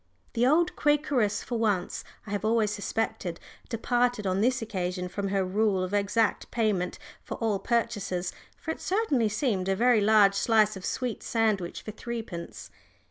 The old Quakeress for once, I have always suspected, departed on this occasion from her rule of exact payment for all purchases, for it certainly seemed a very large slice of sweet sandwich for threepence.